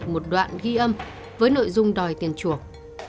một đoạn ghi âm với nội dung đòi tiền chuộc